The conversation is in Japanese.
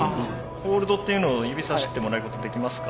ホールドっていうのを指さしてもらうことできますか？